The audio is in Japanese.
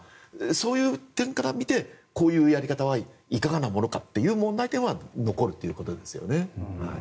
そういう点から見てこういうやり方はいかがなものかという問題点は残るということですよね。